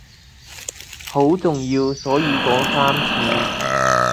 好重要所以要講三次